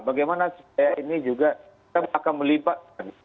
bagaimana supaya ini juga kita akan melibatkan